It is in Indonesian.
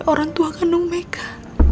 orang tua kandung meka